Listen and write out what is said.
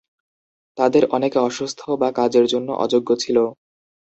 তাদের অনেকে অসুস্থ বা কাজের জন্য অযোগ্য ছিল।